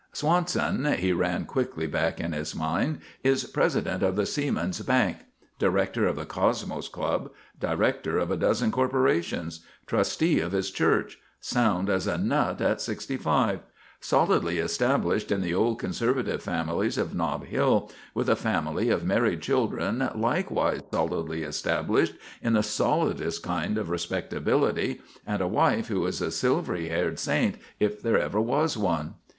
"Swanson," he ran quickly back in his mind, "is president of the Seamen's Bank; director of the Cosmos Club; director of a dozen corporations; trustee of his church; sound as a nut at sixty five; solidly established in the old conservative families of Nob Hill, with a family of married children likewise solidly established in the solidest kind of respectability and a wife who is a silvery haired saint if there ever was one.